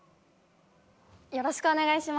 よろしくお願いします。